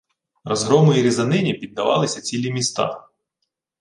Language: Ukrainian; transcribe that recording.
Розгрому і різанині піддавалися цілі міста